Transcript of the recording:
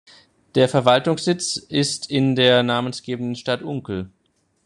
Der Verwaltungssitz ist in der namensgebenden Stadt Unkel.